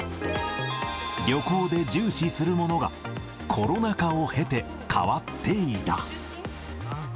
旅行で重視するものがコロナ禍を経て変わっていた。